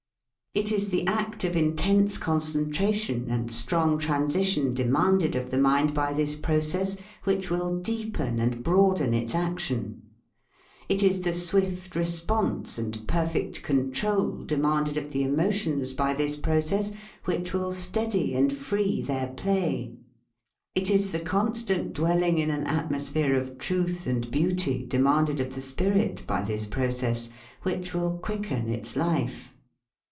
It is the act of intense concentration and strong transition demand ed of the mind by this process which will deepen and broaden its action; it is the swift response and perfect control demanded of the emotions by this process which will steady and free their play ; it is the constant dwelling in an atmosphere of truth and beauty demanded of the spirit by this proc ess which will quicken its life.